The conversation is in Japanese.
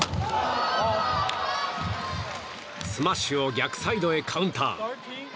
スマッシュを逆サイドへカウンター！